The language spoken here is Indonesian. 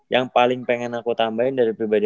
yang paling pengen aku tambahin dari pribadi